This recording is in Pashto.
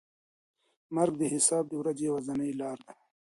مرګ د حساب د ورځې یوازینۍ لاره ده.